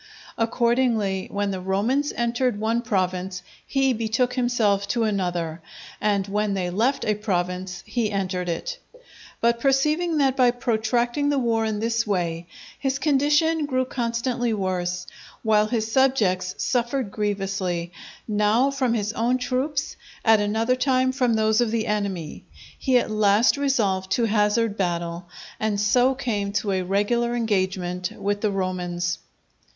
Accordingly, when the Romans entered one province, he betook himself to another, and when they left a province he entered it. But perceiving that by protracting the war in this way, his condition grew constantly worse, while his subjects suffered grievously, now from his own troops, at another time from those of the enemy, he at last resolved to hazard battle, and so came to a regular engagement with the Romans.